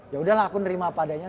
ya udah lah aku nerima padanya